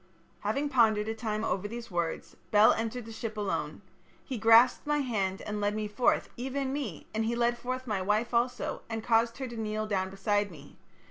"Having pondered a time over these words, Bel entered the ship alone. He grasped my hand and led me forth, even me, and he led forth my wife also, and caused her to kneel down beside me.